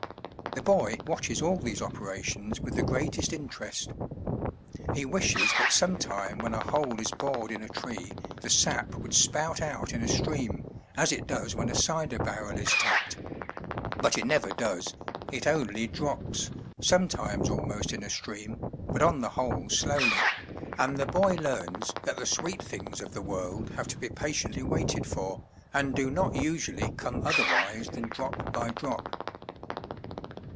The boy watches all these operations with the greatest interest. He wishes that some time when a hole is bored in a tree the sap would spout out in a stream as it does when a cider barrel is tapped; but it never does, it only drops, sometimes almost in a stream, but on the whole slowly, and the boy learns that the sweet things of the 144 THE TREASURE CHEST world have to be patiently waited for, and do not usually come otherwise than drop by drop.